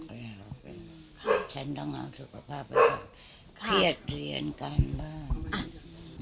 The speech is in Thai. ครับฉันต้องเอาสุขภาพไปก่อนเครียดเรียนการบ้าน